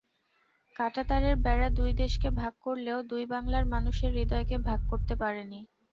কাঁটাতারের বেড়া দুই দেশকে ভাগ করলেও দুই বাংলার মানুষের হূদয়কে ভাগ করতে পারেনি।